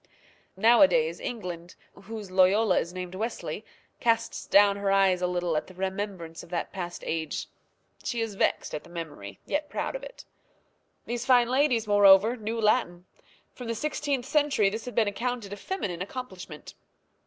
Nowadays England, whose Loyola is named Wesley, casts down her eyes a little at the remembrance of that past age. She is vexed at the memory, yet proud of it. These fine ladies, moreover, knew Latin. From the 16th century this had been accounted a feminine accomplishment.